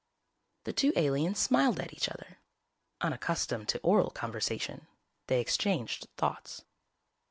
The two aliens smiled at each other. Unaccustomed to oral conversation, they exchanged thoughts.